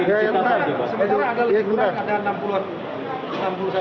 ya sementara ada lebih kurang ada enam puluh an enam puluh satu an juta ya